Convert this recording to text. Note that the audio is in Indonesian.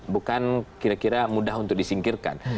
bukan kira kira mudah untuk disingkirkan